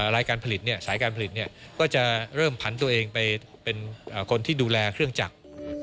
รายการผลิตสายการผลิตก็จะเริ่มผันตัวเองไปเป็นคนที่ดูแลเครื่องจักร